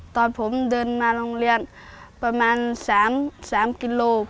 ตอนผมเดินมาโรงเรียนประมาณ๓กิโล